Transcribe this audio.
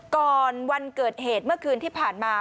ก่อนวันเกิดเหตุเมื่อคืนที่ผ่านมา